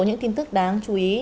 những tin tức đáng chú ý